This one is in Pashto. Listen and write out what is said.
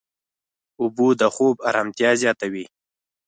اوبه د خوب ارامتیا زیاتوي.